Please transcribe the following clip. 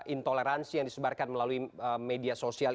intoleransi yang disebarkan melalui media sosial